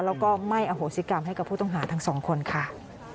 แล้วก็ไม่อโหสิกรรมให้กับผู้ต้องหาทั้งสองคนค่ะ